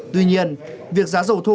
tuy nhiên việc giá dầu thô